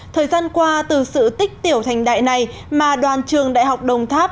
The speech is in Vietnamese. thời gian qua từ sự tích tiểu thành đại này mà đoàn trường đại học đồng tháp